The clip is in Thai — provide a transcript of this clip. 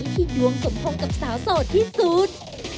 ต้องบักใจแทน